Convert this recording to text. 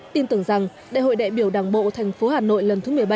tin tưởng rằng đại hội đại biểu đảng bộ thành phố hà nội lần thứ một mươi bảy